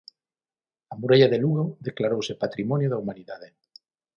A muralla de Lugo declarouse patrimonio da humanidade.